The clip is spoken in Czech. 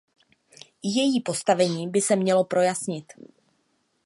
I její postavení by se mělo projasnit.